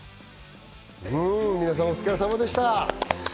皆さん、お疲れ様でした。